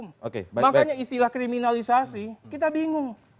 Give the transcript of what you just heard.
makanya istilah kriminalisasi kita bingung